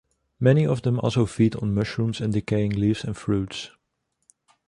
Many of them also feed on mushrooms and decaying leaves and fruits.